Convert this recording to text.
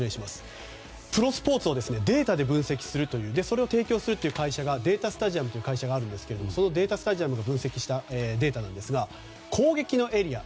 プロスポーツをデータで分析してそれを提供するデータスタジアムという会社があるんですがそのデータスタジアムが分析したデータなんですが攻撃のエリア